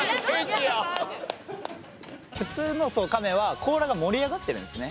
普通のカメは甲羅が盛り上がってるんですね。